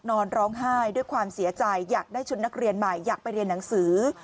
นอนร้องไห้ด้วยความเสียใจอยากได้ชุดนักเรียนใหม่อยากไปเรียนหนังสือ